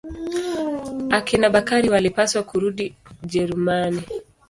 Akina Bakari walipaswa kurudi Ujerumani.